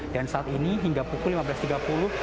dan saat ini hingga pukul lima belas tiga puluh